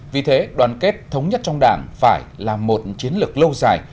vì thế đoàn kết thống nhất trong đảng phải là một chiến lược lâu dài